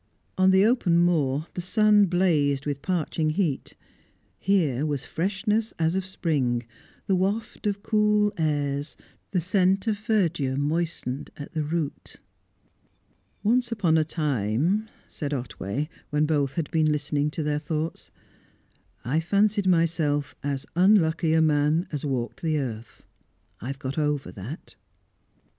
On the open moor, the sun blazed with parching heat; here was freshness as of spring, the waft of cool airs, the scent of verdure moistened at the root. "Once upon a time," said Otway, when both had been listening to their thoughts, "I fancied myself as unlucky a man as walked the earth. I've got over that."